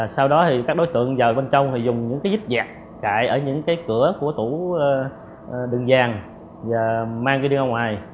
sau đó thì các đối tượng vào bên trong thì dùng những cái dít dẹt cãi ở những cái cửa của tủ đường dàng và mang cái điện ra ngoài